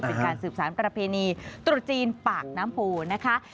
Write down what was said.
เป็นการสืบสารประเพณีตรุษจีนปากน้ำโพนะคะ